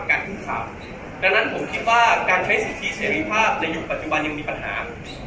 ข่าวดังนั้นผมคิดว่าการใช้สิทธิเสรีภาพในยุคปัจจุบันยังมีปัญหา